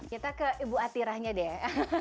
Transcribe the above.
kita ke ibu atirahnya deh